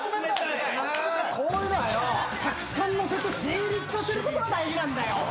こういうのはよたくさんのせて成立させることが大事なんだよ。